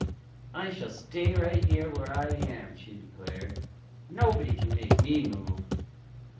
"I shall stay right where I am," she declared. "Nobody can make me move."